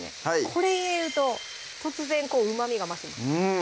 これ入れると突然旨みが増します